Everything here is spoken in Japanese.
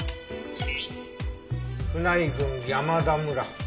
「船井郡山田村」。